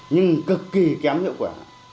nhưng cực kỳ kém hiệu quả